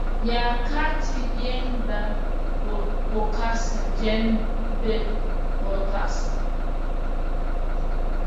ya Kati Jean Bedel Bokassa Jean Bedel Bokassa